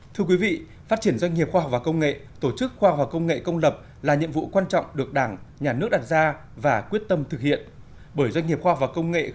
thưa quý vị phát triển doanh nghiệp khoa học và công nghệ tổ chức khoa học và công nghệ công lập là nhiệm vụ quan trọng được đảng nhà nước đặt ra và quyết tâm thực hiện